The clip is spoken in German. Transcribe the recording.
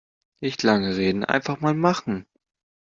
Nicht lange reden, einfach mal machen!